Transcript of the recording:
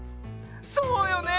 そうよね。